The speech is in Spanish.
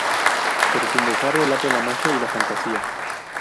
Pero sin dejar de lado la magia y la fantasía.